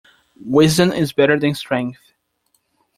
Wisdom is better than strength.